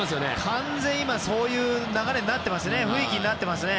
完全に今そういう雰囲気になっていますよね。